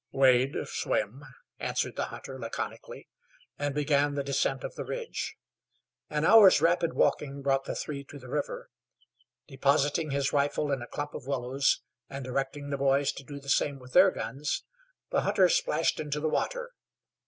"Wade swim," answered the hunter, laconically, and began the descent of the ridge. An hour's rapid walking brought the three to the river. Depositing his rifle in a clump of willows, and directing the boys to do the same with their guns, the hunter splashed into the water.